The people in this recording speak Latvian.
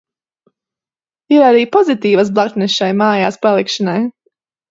Ir arī pozitīvas blaknes šai mājās palikšanai.